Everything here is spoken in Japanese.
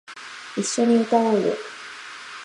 一緒に歌おうよ